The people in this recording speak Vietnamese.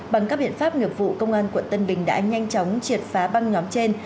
bằng các biện pháp nghiệp vụ công an quận tân bình đã nhanh chóng triệt phá băng nhóm trên